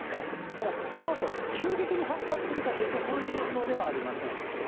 ただ、このあと急激に発達するかというと、そういう予想ではありません。